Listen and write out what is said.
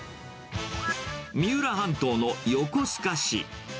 三浦半島の横須賀市。